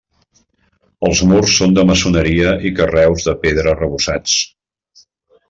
Els murs són de maçoneria i carreus de pedra arrebossats.